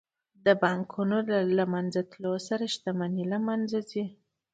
د بانکونو له منځه تلو سره شتمني له منځه ځي